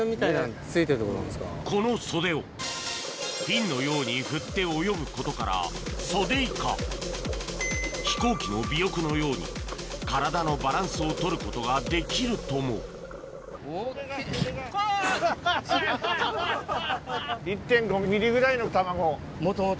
このソデをフィンのように振って泳ぐことからソデイカ飛行機の尾翼のように体のバランスをとることができるとももともと。